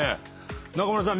中村さん